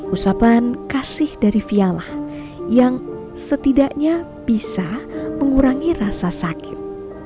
usapan kasih dari viala yang setidaknya bisa mengurangi rasa sakit